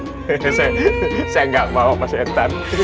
hehehe saya nggak mau sama setan